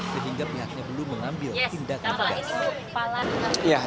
sehingga pihaknya belum mengambil tindakan tegas